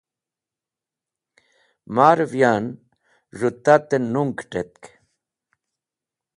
Marev yan z̃hũ tat-e nung kẽt̃etk.